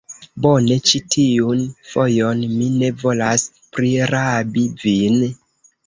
Bone, ĉi tiun fojon mi ne volas prirabi vin.